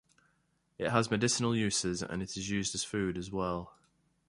It has medicinal uses and it is used as food, as well.